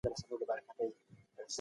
د هر انسان وینه ارزښتناکه ده.